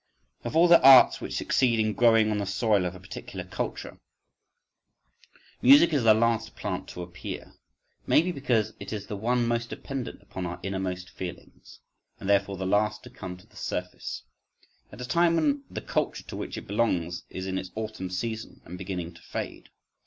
Of all the arts which succeed in growing on the soil of a particular culture, music is the last plant to appear; maybe because it is the one most dependent upon our innermost feelings, and therefore the last to come to the surface—at a time when the culture to which it belongs is in its autumn season and beginning to fade.